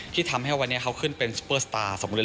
แต่มีนักแสดงคนนึงเดินเข้ามาหาผมบอกว่าขอบคุณพี่แมนมากเลย